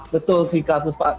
betul sih kak